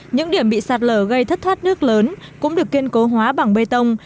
những điểm bị sạt lở gây thất thoát nước lớn cũng được kiên cố hóa bằng bê tông